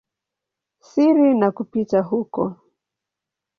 siri na kupita huko.